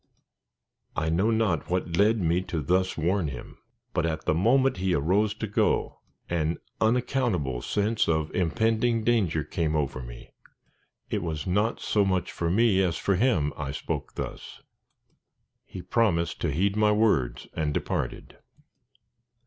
_" I know not what led me to thus warn him; but at the moment he arose to go, an unaccountable sense of impending danger came over me. It was not so much for me as for him I spoke thus. He promised to heed my words and departed.